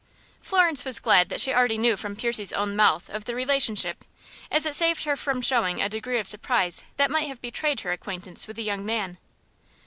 Florence was glad that she already knew from Percy's own mouth of the relationship, as it saved her from showing a degree of surprise that might have betrayed her acquaintance with the young man.